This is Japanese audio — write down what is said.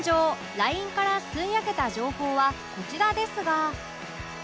ＬＩＮＥ から吸い上げた情報はこちらですが